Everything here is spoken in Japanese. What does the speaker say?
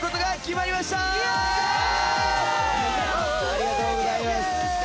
ありがとうございます。